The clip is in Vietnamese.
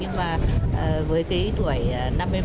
cũng là một cái kỳ quan của tổ quốc